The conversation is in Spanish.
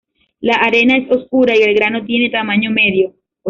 La arena es oscura y el grano tiene tamaño medio.